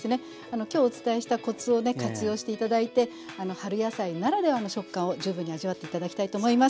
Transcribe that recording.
今日お伝えしたコツをね活用して頂いて春野菜ならではの食感を十分に味わって頂きたいと思います。